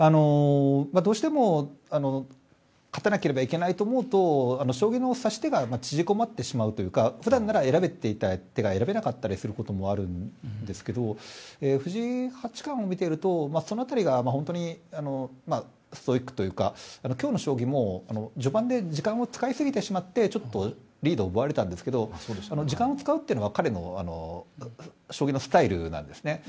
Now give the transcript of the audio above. どうしても勝たなければいけないと思うと将棋の指し手が縮こまってしまうというか普段なら選べていた手が選べない時もあるんですけれども藤井八冠を見ているとその辺りが本当にストイックというか今日の将棋も序盤で時間を使いすぎてしまってちょっとリードを奪われたんですけれど時間を使うというのは彼の将棋のスタイルなんですね。